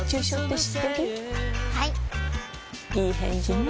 いい返事ね